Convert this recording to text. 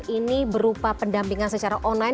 ini berupa pendampingan secara online